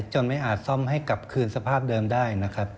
จนไม่อาจซ่อมให้กลับคืนสภาพเดิมได้นะครับ